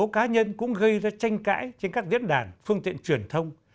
một số cá nhân cũng gây ra tranh cãi trên các diễn đàn phương tiện truyền thông